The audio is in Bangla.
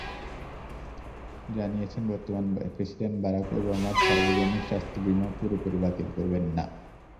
জানিয়েছেন, বর্তমান প্রেসিডেন্ট বারাক ওবামার সর্বজনীন স্বাস্থ্যবিমা পুরোপুরি বাতিল করবেন না।